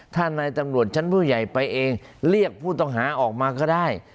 ถ้านายตำรวจชั้นผู้ใหญ่ไปเองเรียกผู้ต้องหาออกมาก็ได้